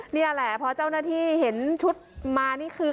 นี่แหละพอเจ้าหน้าที่เห็นชุดมานี่คือ